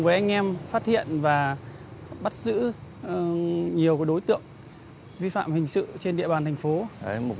với anh em phát hiện và bắt giữ nhiều đối tượng vi phạm hình sự trên địa bàn thành phố